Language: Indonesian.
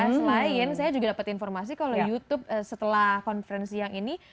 selain saya juga dapat informasi kalau youtube setelah konferensi yang ini